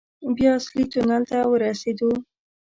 بيا اصلي تونل ته ورسېدو.